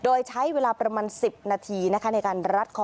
โดยใช้เวลาประมาณ๑๐นาทีในการรัดคอ